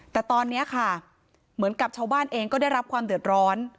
แต่ตอนนี้ค่ะเหมือนกับชาวบ้านเองก็ได้รับความเดือดร้อน